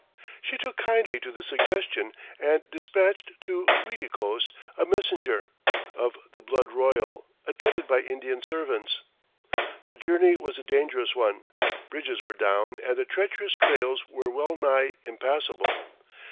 She took kindly to the suggestion and dispatched to Uiticos a messenger, of the blood royal, attended by Indian servants. The journey was a dangerous one; bridges were down and the treacherous trails were well nigh impassable.